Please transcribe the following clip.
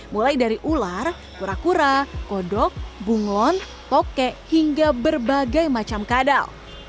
mulai dari ular kura kura kodok bunglon toke hingga berbagai macam kadal